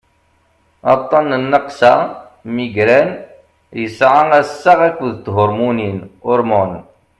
aṭṭan n nnaqsa migraine yesɛa assaɣ akked thurmunin hormones